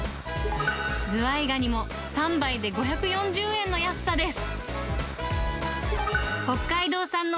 ズワイガニも３杯で５４０円の安さです。